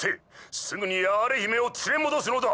すぐにアーレ姫を連れ戻すのだ！